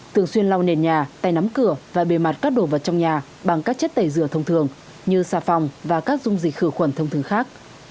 thường xuyên lau nền nhà tay nắm cửa và bề mặt các đồ vật trong nhà bằng các chất tẩy rửa thông thường như xà phòng và các dung dịch khử khuẩn thông thường khác